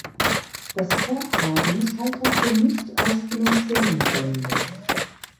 Das Vorhaben scheiterte nicht aus finanziellen Gründen.